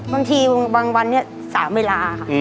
บางทีบางวันนี้๓เวลาค่ะ